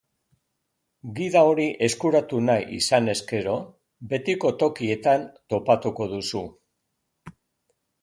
Gida hori eskuratu nahi izanez gero, betiko tokietan topatuko duzu.